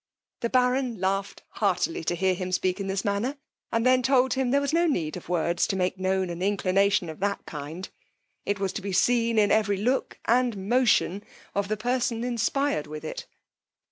The baron laughed heartily to hear him speak in this manner, and then told him there was no need of words to make known an inclination of that kind; it was to be seen in every look and motion of the person inspired with it.